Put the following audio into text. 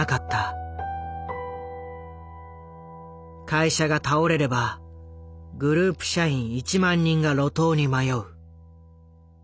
会社が倒れればグループ社員１万人が路頭に迷う。